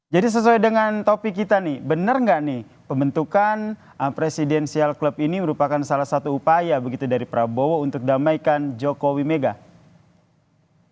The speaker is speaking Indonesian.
jadi sesuai dengan topik kita nih benar gak nih pembentukan presidensial club ini merupakan salah satu upaya begitu dari prabowo untuk damaikan jokowi megawati